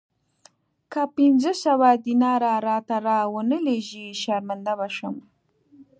که پنځه سوه دیناره راته را ونه لېږې شرمنده به شم.